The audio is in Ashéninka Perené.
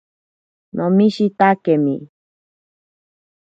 Nomishitakemi.